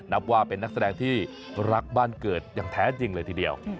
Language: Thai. นับว่าเป็นนักแสดงที่รักบ้านเกิดอย่างแท้จริงเลยทีเดียว